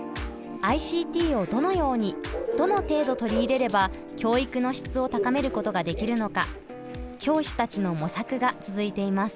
ＩＣＴをどのようにどの程度取り入れれば教育の質を高めることができるのか教師たちの模索が続いています。